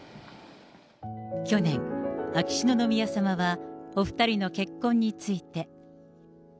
去年、秋篠宮さまはお２人の結婚について。